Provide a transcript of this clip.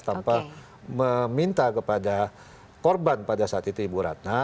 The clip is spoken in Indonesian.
tanpa meminta kepada korban pada saat itu ibu ratna